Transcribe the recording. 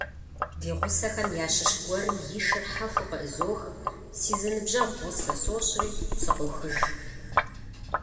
Ди гъусэхэм ящыщ гуэрым и шыр хьэхуу къыӀызох, си зы ныбжьэгъу гъусэ сощӀри, сыкъохыж.